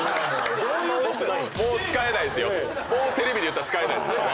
もうテレビで言ったら使えないですね